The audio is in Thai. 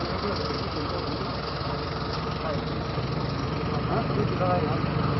เรียกว่าไทยนะ